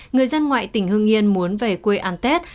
người dân ngoại tỉnh hương yên muốn về quê ăn tết